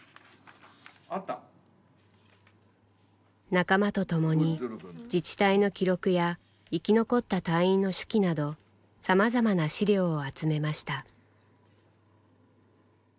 仲間と共に自治体の記録や生き残った隊員の手記などさまざまな資料を集めました。